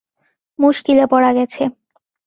মুশকিলে পড়া গেছে।